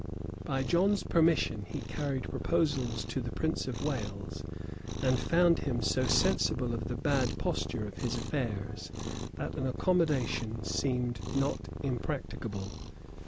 By John's permission, he carried proposals to the prince of Wales; and found him so sensible of the bad posture of his affairs, that an accommodation seemed not impracticable.